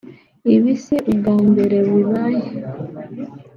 Ibi si ubwa mbere bibaye